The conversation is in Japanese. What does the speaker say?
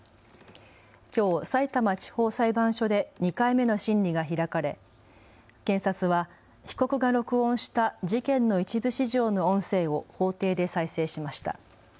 きょう、さいたま地方裁判所で２回目の審理が開かれ検察は被告が録音した事件の一部始終の音声を法廷で再生しました。